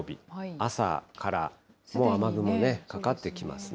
朝からもう雨雲、かかってきますね。